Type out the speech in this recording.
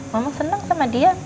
mama seneng sama dia